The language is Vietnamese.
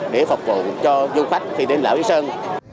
để phục vụ cho du khách khi đến đảo lý sơn